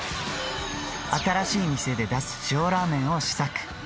新しい店で出す塩らーめんを試作。